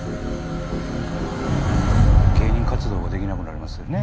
芸人活動ができなくなりますよね。